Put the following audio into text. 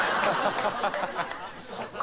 そっか。